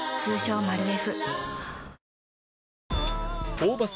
ホーバス